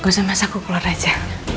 gak usah masak aku keluar aja